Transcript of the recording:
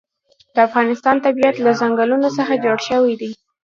د افغانستان طبیعت له ځنګلونه څخه جوړ شوی دی.